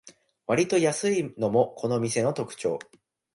わりと安いのもこの店の特長